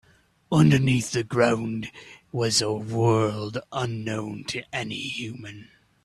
Underneath the ground was a world unknown to any human.